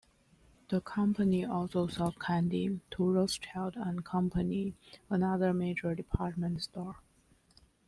The company also sold candy to Rothschild and Company, another major department store.